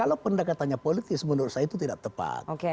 kalau pendekatannya politis menurut saya itu tidak tepat